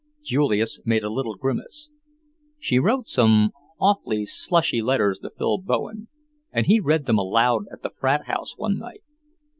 Julius made a little grimace. "She wrote some awfully slushy letters to Phil Bowen, and he read them aloud at the frat house one night."